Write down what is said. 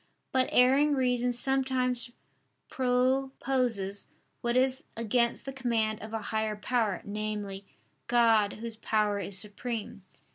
But erring reason sometimes proposes what is against the command of a higher power, namely, God Whose power is supreme.